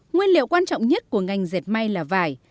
nguyên liệu quan trọng nhất của ngành dệt may là vải